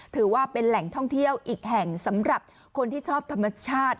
ถือว่าเป็นแหล่งท่องเที่ยวอีกแห่งสำหรับคนที่ชอบธรรมชาติ